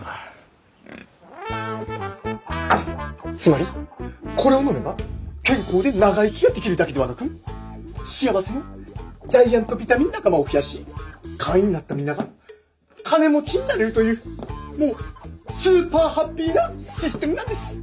つまりこれを飲めば健康で長生きができるだけではなく幸せのジャイアントビタミン仲間を増やし会員になったみんなが金持ちになれるというもうスーパーハッピーなシステムなんです。